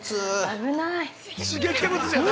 ◆危ない。